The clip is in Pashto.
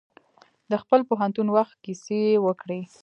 د خپل پوهنتون وخت کیسې یې وکړې.